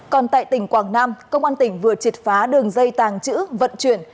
còn tại tỉnh quảng nam công an tỉnh vừa triệt phá đường dây tàng trữ vận chuyển